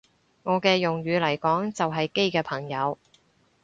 我嘅用語嚟講就係基嘅朋友